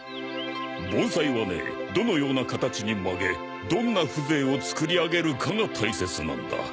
盆栽はねどのような形に曲げどんな風情を作り上げるかが大切なんだ。